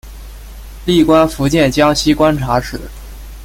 历官福建江西观察使。